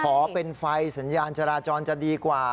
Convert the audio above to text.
ขอเป็นไฟสัญญาณจราจรจะดีกว่า